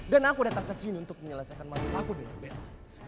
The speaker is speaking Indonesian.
dan aku datang ke sini untuk menyelesaikan masalah aku dengan bella